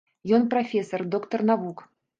Ён прафесар, доктар навук.